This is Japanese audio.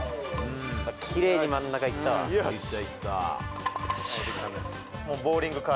きれいに真ん中いったわ。